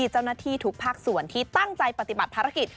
เจ้าหน้าที่ทุกภาคส่วนที่ตั้งใจปฏิบัติภารกิจ